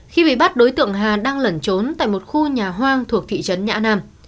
khi bị bắt đối tượng hà đang lẩn trốn tại một khu nhà hoang thuộc thị trấn nhã nam